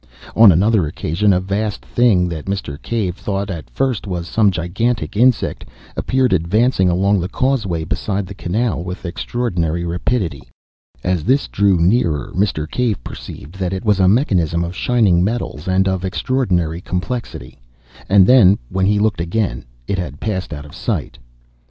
On another occasion a vast thing, that Mr. Cave thought at first was some gigantic insect, appeared advancing along the causeway beside the canal with extraordinary rapidity. As this drew nearer Mr. Cave perceived that it was a mechanism of shining metals and of extraordinary complexity. And then, when he looked again, it had passed out of sight.